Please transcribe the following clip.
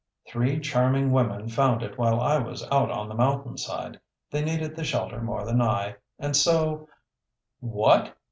"Three charming women found it while I was out on the mountainside. They needed the shelter more than I, and so " "What!"